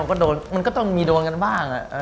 ก็โดนมันก็ต้องมีโดนกันบ้าง